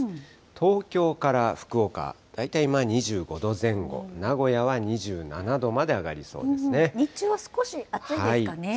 東京から福岡、大体２５度前後、名古屋は２７度まで上がりそうで日中は少し暑いですかね。